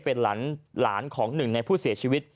เป็นหลานของหนึ่งในผู้เสียชีวิต